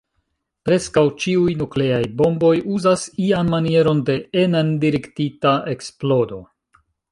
Preskaŭ ĉiuj nukleaj bomboj uzas ian manieron de enen direktita eksplodo.